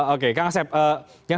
oke kang asep yang